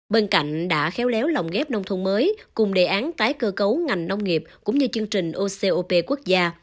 bên cạnh đã khéo léo lòng ghép nông thôn mới cùng đề án tái cơ cấu ngành nông nghiệp cũng như chương trình ocop quốc gia